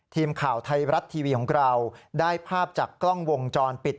ไทยรัดทีวีของเราได้ภาพจากกล้องวงจรปิด